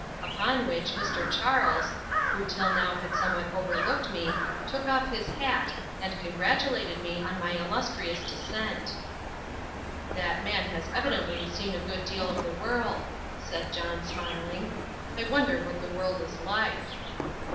Upon which Mr. Charles, who till now had somewhat overlooked me, took off his hat, and congratulated me on my illustrious descent. "That man has evidently seen a good deal of the world," said John, smiling; "I wonder what the world is like!"